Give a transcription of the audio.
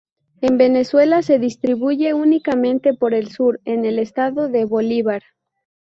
En Venezuela se distribuye únicamente por el sur, en el estado de Bolívar.